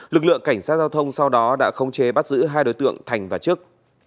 lực lượng cảnh sát giao thông sau đó đã không chế bắt giữ hai đối tượng thành và trức